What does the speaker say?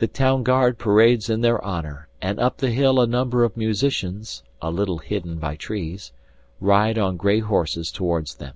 The town guard parades in their honor, and up the hill a number of musicians (a little hidden by trees) ride on gray horses towards them.